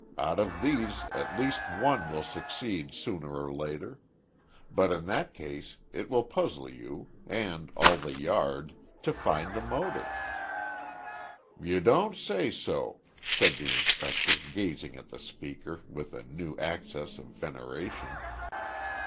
Out of these at least one will succeed sooner or later. But in that case it will puzzle you, and all the Yard, to find the motive." "You don't say so!" said the inspector, gazing at the speaker, with a new access of veneration.